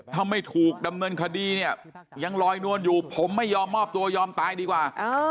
ถ้าไม่ถูกดำเนินคดีเนี่ยยังลอยนวลอยู่ผมไม่ยอมมอบตัวยอมตายดีกว่า